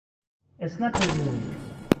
اسنپ روم